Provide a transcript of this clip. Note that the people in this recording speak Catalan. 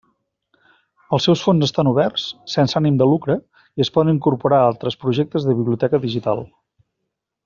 Els seus fons estan oberts, sense ànim de lucre, i es poden incorporar a altres projectes de biblioteca digital.